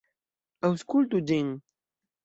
Aŭskultu ĝin.